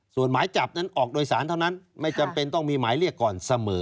ส่วนหมายจับนั้นออกโดยสารเท่านั้นไม่จำเป็นต้องมีหมายเรียกก่อนเสมอ